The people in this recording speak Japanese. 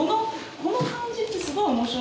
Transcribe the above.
この感じってすごい面白いなって